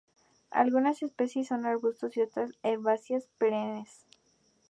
Algunas especies son arbustos, y otras herbáceas perennes.